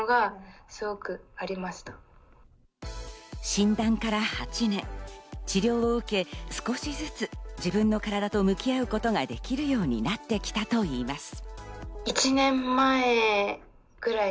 診断から８年、治療を受け、少しずつ自分の体と向き合うことができるようになってきたといいます。